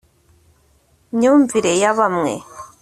myumvire ya bamwe